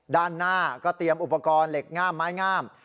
ด้านหน้าก็เตรียมอุปกรณ์เหล็กง่ามไม้งาม